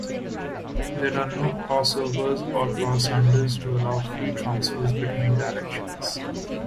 There are no crossovers or crossunders to allow free transfers between directions.